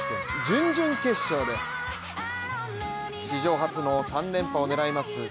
史上初の３連覇を狙います